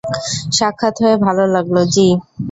সাক্ষাৎ হয়ে ভালো লাগল, যী।